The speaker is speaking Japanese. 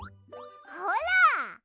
ほら！